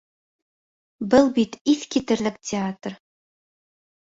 Был бит иҫ китерлек театр!